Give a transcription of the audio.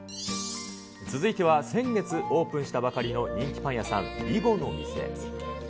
続いては、先月オープンしたばかりの人気パン屋さん、ビゴの店。